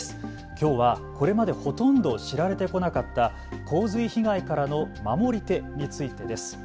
きょうはこれまでほとんど知られてこなかった洪水被害からの守り手についてです。